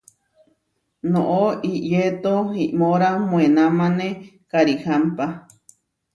Noʼó iyéto iʼmora moenamané karihámpa.